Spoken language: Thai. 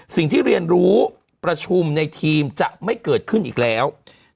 สิ่งที่เรียนรู้ประชุมในทีมจะไม่เกิดขึ้นอีกแล้ว